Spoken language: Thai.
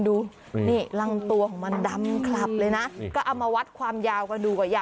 มันยังแผ่แม่เบี้ยอยู่เลย